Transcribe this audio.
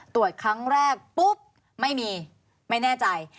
ตรวจครั้งแรกปุ๊บไม่มีไม่แน่ใจ